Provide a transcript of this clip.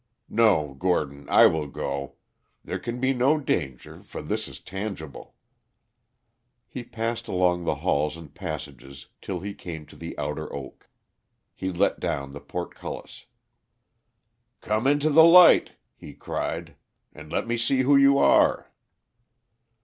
"No, Gordon, I will go. There can be no danger, for this is tangible." He passed along the halls and passages till he came to the outer oak. He let down the portcullis. "Come into the light," he cried, "and let me see who you are."